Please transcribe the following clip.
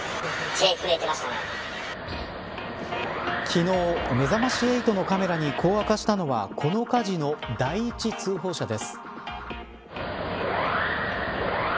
昨日、めざまし８のカメラにこう明かしたのはこの火事の第一通報者です。